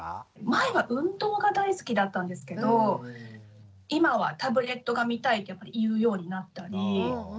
前は運動が大好きだったんですけど今はタブレットが見たいって言うようになったり。